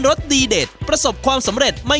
สดีเด็ดประสบความสำเร็จ